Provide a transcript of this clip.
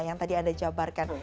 yang tadi anda jabarkan